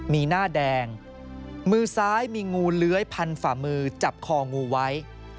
มีหน้าแดงมือซ้ายมีงูเลื้อยพันฝ่ามือจับคองูไว้